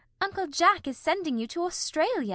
Uncle Jack is sending you to Australia.